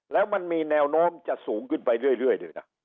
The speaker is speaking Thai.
แล้วมันมีแนวโน้มจะสูงขึ้นไปเรื่อยด้วยนะ